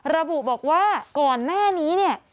ระบุบอกว่าก่อนหน้านี้เนี่ย